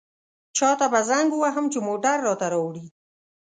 چاته به زنګ ووهم چې موټر راته راوړي.